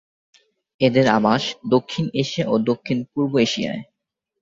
এদের আবাস দক্ষিণ এশিয়া ও দক্ষিণ-পূর্ব এশিয়ায়।